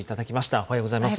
おはようございます。